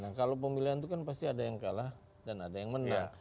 nah kalau pemilihan itu kan pasti ada yang kalah dan ada yang menang